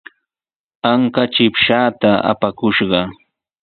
Anka chipshaata apakushqa.